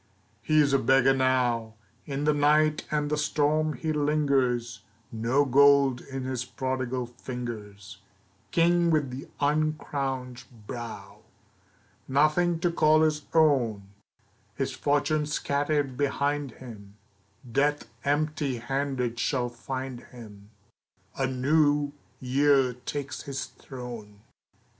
He is a beggar now. In the night and the storm he lingers, No gold in his prodigal fingers, King with the uncrowned brow. Nothing to call his own! His fortune scattered behind him; Death empty handed shall find him, A New Year takes his throne.